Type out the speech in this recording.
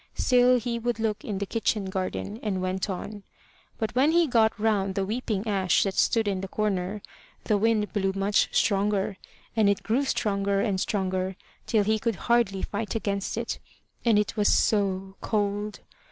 Still he would look in the kitchen garden, and went on. But when he got round the weeping ash that stood in the corner, the wind blew much stronger, and it grew stronger and stronger till he could hardly fight against it. And it was so cold!